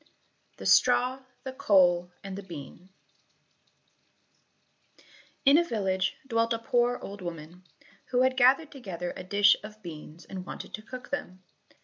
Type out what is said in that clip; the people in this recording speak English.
18 The Straw, the Coal, and the Bean In a village dwelt a poor old woman, who had gathered together a dish of beans and wanted to cook them.